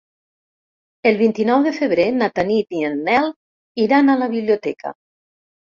El vint-i-nou de febrer na Tanit i en Nel iran a la biblioteca.